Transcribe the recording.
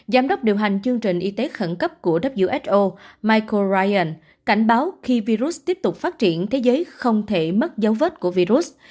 giám đốc điều hành chương trình y tế khẩn cấp của who micro ryan cảnh báo khi virus tiếp tục phát triển thế giới không thể mất dấu vết của virus